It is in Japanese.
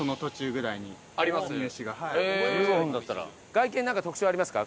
外見なんか特徴ありますか？